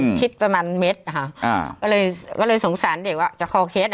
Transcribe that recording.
อืมทิศประมาณเมตรอ่าก็เลยก็เลยสงสัยเด็กว่าจะคอเค็ด